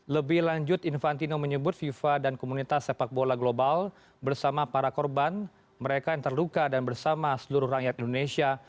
lebih lanjut infantino menyebut fifa dan komunitas sepak bola global bersama para korban mereka yang terluka dan bersama seluruh rakyat indonesia